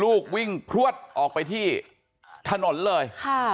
ลูกวิ่งพลวดออกไปที่ถนนเลย